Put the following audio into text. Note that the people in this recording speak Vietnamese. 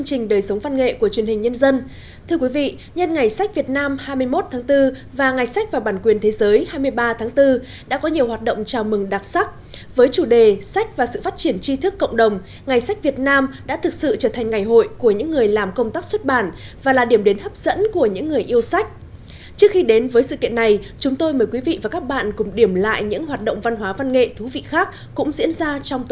trước khi đến với sự kiện này chúng tôi mời quý vị và các bạn cùng điểm lại những hoạt động văn hóa văn nghệ thú vị khác cũng diễn ra trong tuần qua